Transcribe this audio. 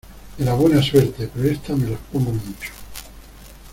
de la buena suerte, pero estas me las pongo mucho